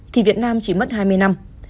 thì việt nam chỉ mất hai mươi năm